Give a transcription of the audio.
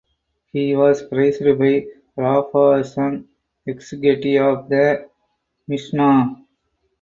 He was praised by Rabbah as an exegete of the Mishnah.